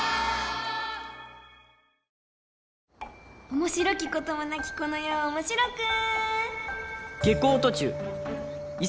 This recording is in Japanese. おもしろきこともなきこのよをおもしろく！